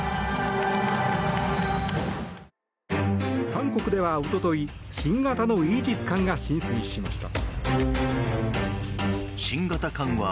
韓国では、おととい新型のイージス艦が進水しました。